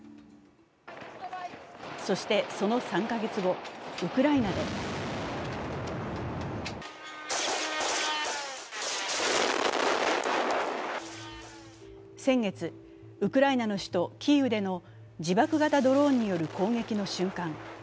そして、その３か月後、ウクライナで先月、ウクライナの首都キーウでの自爆型ドローンによる攻撃の瞬間。